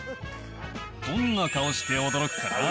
どんな顔して驚くかな？